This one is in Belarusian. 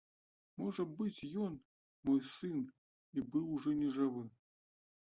Можа быць, ён, мой сын, і быў ужо нежывы.